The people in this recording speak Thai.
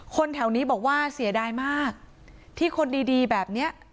แถวนี้บอกว่าเสียดายมากที่คนดีแบบนี้